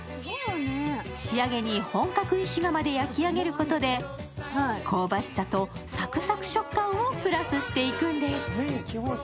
仕上げに本格石窯で焼き上げることで、香ばしさとサクサク食感をプラスしていくんです。